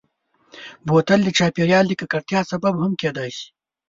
بوتل د چاپېریال د ککړتیا سبب هم کېدای شي.